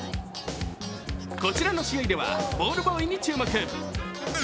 こちらの試合ではボールボーイに注目。